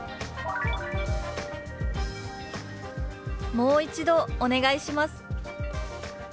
「もう一度お願いします」。